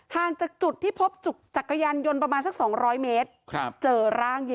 ห่างจากจุดที่พบจักรยานยนต์ประมาณสัก๒๐๐เมตรเจอร่าง